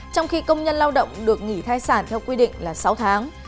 trong khi công nhân lao động được nghỉ thai sản theo quy định là sáu tháng